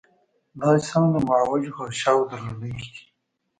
دا اجسام د معوجو غشاوو درلودونکي دي.